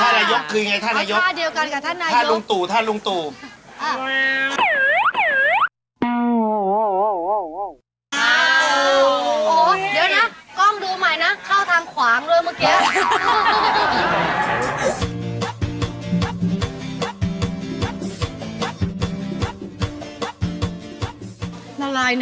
ท่านายกคือยังไงท่านายกท่านลุงตูคือยังไงท่านายก